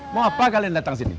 mau apa kalian datang sini